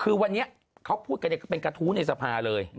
คือวันนี้เขาพูดกันเป็นกระทู้ในสภาเลย